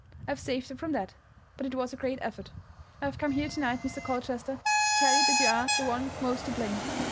I have saved her from that; but it was a great effort. I have come here to night, Mr. Colchester, to tell you that you are the one most to blame.